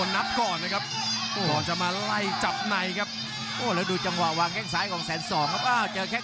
แหละก็ไปในตัวเองกับโดยนับก่อนนะครับก่อนจะมาไล่จับไหนครับ